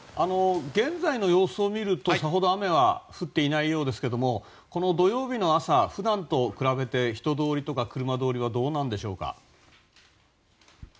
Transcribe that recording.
現在の様子を見るとさほど雨は降っていないようですがこの土曜日の朝、普段と比べて人通りとか車通りはどうでしょうか。